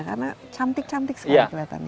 karena cantik cantik sekali kelihatannya